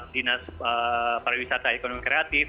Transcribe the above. dinas pariwisata ekonomi kreatif